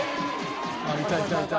ああいたいたいた。